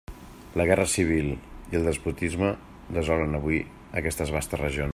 La guerra civil i el despotisme desolen avui aquestes vastes regions.